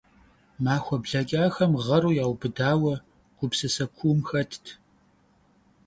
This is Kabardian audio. Махуэ блэкӏахэм гъэру яубыдауэ, гупсысэ куум хэтт.